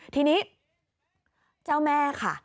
ทีนี้เจ้าแม่ค่ะ